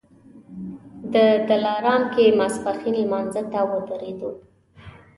د دلارام کې ماسپښین لمانځه ته ودرېدو.